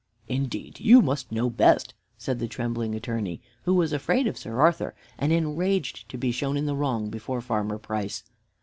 "Indeed you must know best," said the trembling Attorney, who was afraid of Sir Arthur and enraged to be shown in the wrong before Farmer Price.